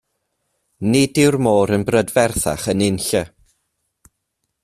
Nid yw y môr yn brydferthach yn unlle.